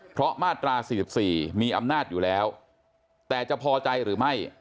เพราะมาตรา๔๔มีอำนาจอยู่แล้วแต่จะพอใจหรือไม่